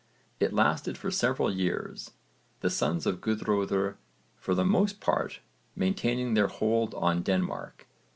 It lasted for several years, the sons of Guðröðr for the most part maintaining their hold on Denmark.